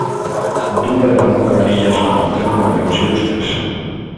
A tumba de Ramón Cabanillas no Panteón de Galegos Ilustres.